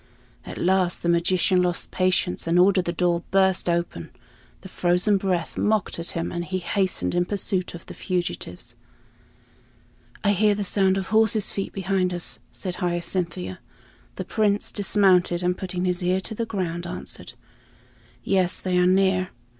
At last the magician lost patience and ordered the door burst open. The frozen breath mocked at him, and he hastened in pursuit of the fugitives. "I hear the sound of horses' feet behind us," said Hyacinthia. The Prince dismounted, and putting his ear to the ground, answered, "Yes, they are near."